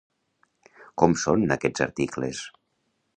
Com són aquests articles?